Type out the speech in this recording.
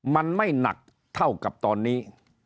มันไม่หนักเท่ากับตอนนี้